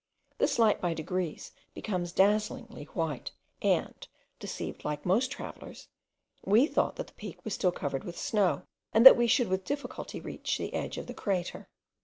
This light by degrees becomes dazzlingly white; and, deceived like most travellers, we thought that the peak was still covered with snow, and that we should with difficulty reach the edge of the crater.